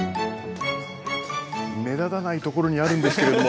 目立たないところにあるんですけれども。